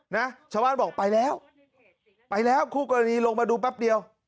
นะชาวบ้านบอกไปแล้วไปแล้วคู่กรณีลงมาดูแป๊บเดียว